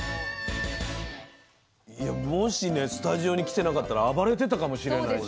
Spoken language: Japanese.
もしねスタジオに来てなかったら暴れてたかもしれない新年早々。